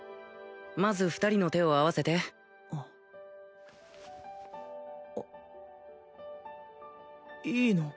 まず２人の手を合わせてあっいいの？